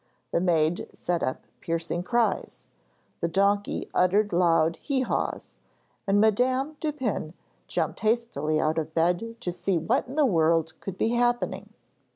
The maid set up piercing cries; the donkey uttered loud hee haws, and Madame Dupin jumped hastily out of bed to see what in the world could be happening.